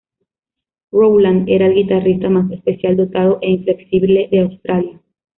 Rowland era el guitarrista más especial, dotado e inflexible de Australia.